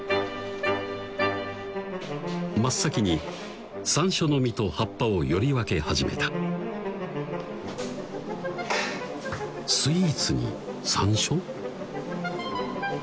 真っ先に山椒の実と葉っぱをより分け始めたスイーツに山椒？